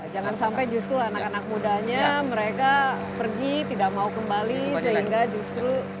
jangan sampai justru anak anak mudanya mereka pergi tidak mau kembali sehingga justru